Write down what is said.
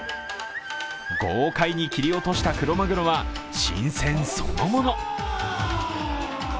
豪快に切り落としたクロマグロは新鮮そのもの。